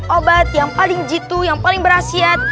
obat yang paling jitu yang paling berasiat